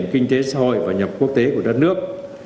kinh tế sôi và nhập quốc tế của đất nước